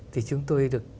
thì chúng tôi được